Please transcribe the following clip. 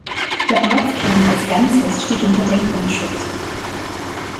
Der Ortskern als Ganzes steht unter Denkmalschutz.